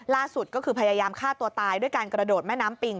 ล่าสุดก็คือพยายามฆ่าตัวตายด้วยการกระโดดแม่น้ำปิง